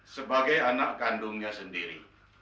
sebagai anak kandungnya sendiri